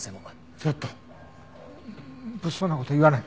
ちょっと物騒な事を言わない。